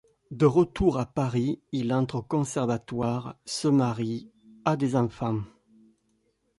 De retour à Paris, il entre au Conservatoire, se marie, a des enfants.